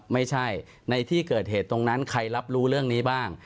ไม่ใช่ในที่เกิดเหตุตรงนั้นใครรับรู้เรื่องนี้บ้าง